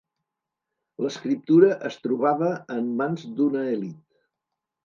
L'escriptura es trobava en mans d'una elit.